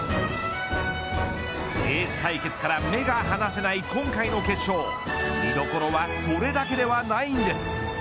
エース対決から目が離せない今回の決勝見どころはそれだけではないんです。